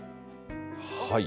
はい。